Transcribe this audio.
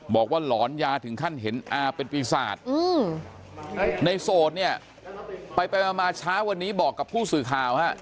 หลอนยาถึงขั้นเห็นอาเป็นปีศาจในโสดเนี่ยไปมาเช้าวันนี้บอกกับผู้สื่อข่าวฮะ